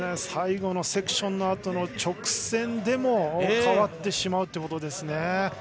最後のセクションのあとの直線でも変わってしまうということですね。